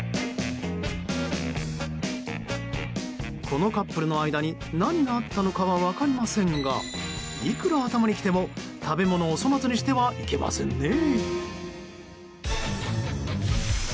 このカップルの間に何があったのかは分かりませんがいくら頭にきても食べ物を粗末にしてはいけませんね。